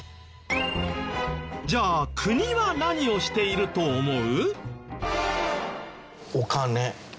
じゃあ国は何をしていると思う？